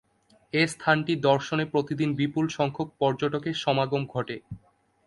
এ স্থানটি দর্শনে প্রতিদিন বিপুল সংখ্যক পর্যটকের সমাগম ঘটে।